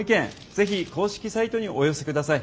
是非公式サイトにお寄せください。